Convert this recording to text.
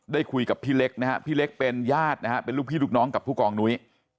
ได้คุยกับพี่เล็กนะฮะพี่เล็กเป็นญาตินะฮะเป็นลูกพี่ลูกน้องกับผู้กองนุ้ย